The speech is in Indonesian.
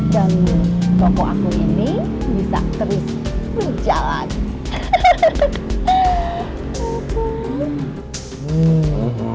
dan toko aku ini bisa terus berjalan